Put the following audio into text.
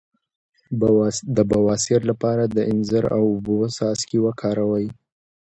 د بواسیر لپاره د انځر او اوبو څاڅکي وکاروئ